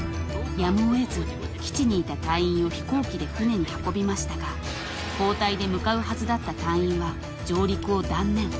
［やむを得ず基地にいた隊員を飛行機で船に運びましたが交代で向かうはずだった隊員は上陸を断念］